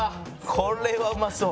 これはうまそう。